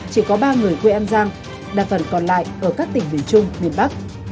chỉ có ba người quê an giang đa phần còn lại ở các tỉnh miền trung miền bắc